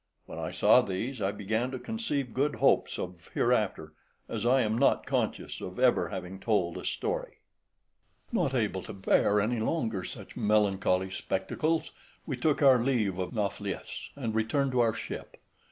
When I saw these I began to conceive good hopes of hereafter, as I am not conscious of ever having told a story. Not able to bear any longer such melancholy spectacles, we took our leave of Nauplius, and returned to our ship.